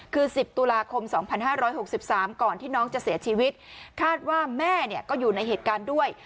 คือ๑๐ตุลาคม๒๕๖๓ก่อนที่น้องจะเสียชีวิตคาดว่าแม่ก็อยู่ในเหตุการณ์ด้วย